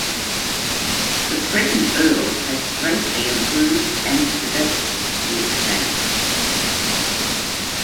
The present Earl has greatly improved and developed the estate.